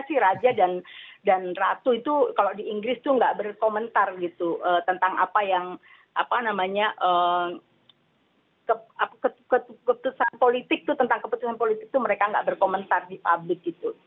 tentu sih raja dan ratu itu kalau di inggris itu tidak berkomentar gitu tentang apa yang apa namanya keputusan politik itu mereka tidak berkomentar di publik gitu